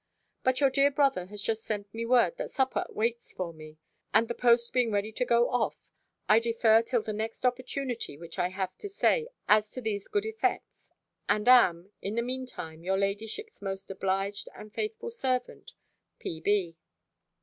But your dear brother has just sent me word, that supper waits for me: and the post being ready to go off, I defer till the next opportunity which I have to say as to these good effects: and am, in the mean time, your ladyship's most obliged and faithful servant, P.